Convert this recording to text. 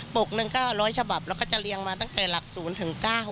ปกหนึ่งก็ร้อยฉบับเราก็จะเรียงมาตั้งแต่หลักศูนย์ถึงเก้า